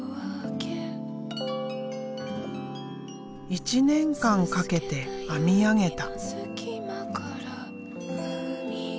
１年間かけて編み上げた。